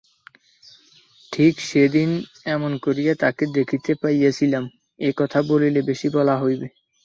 ঠিক সেদিন এমন করিয়া তাকে দেখিতে পাইয়াছিলাম, এ কথা বলিলে বেশি বলা হইবে।